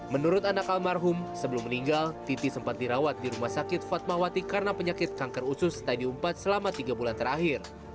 menurut anak almarhum sebelum meninggal titi sempat dirawat di rumah sakit fatmawati karena penyakit kanker usus stadium empat selama tiga bulan terakhir